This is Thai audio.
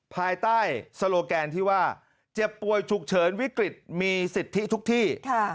ภายใต้โลแกนที่ว่าเจ็บป่วยฉุกเฉินวิกฤตมีสิทธิทุกที่